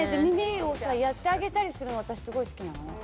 耳をさやってあげたりするの私すごい好きなの。